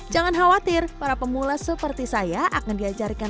jangan khawatir para pemula seperti saya akan diajarkan